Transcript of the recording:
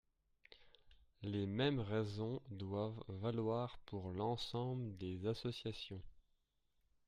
Les mêmes raisons doivent valoir pour l’ensemble des associations.